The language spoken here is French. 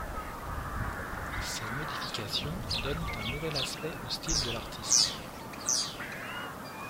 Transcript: Ces modifications donnent un nouvel aspect au style de l'artiste.